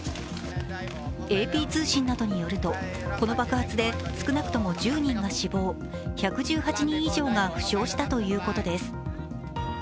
ＡＰ通信などによつとこの爆発で少なくとも１０人が死亡１１８人以上が負傷したということです。